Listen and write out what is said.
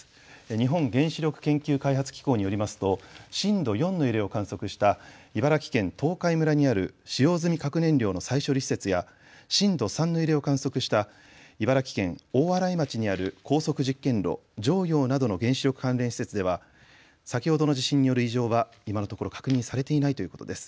日本原子力研究開発機構によりますと震度４の揺れを観測した茨城県東海村にある使用済み核燃料の再処理施設や震度３の揺れを観測した茨城県大洗町にある高速実験炉常陽などの原子力関連施設では先ほどの地震による異常は今のところ確認されていないということです。